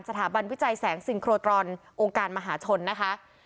สถาบันวิจัยแสงซิงโครตรอนองค์การมหาชนนะคะ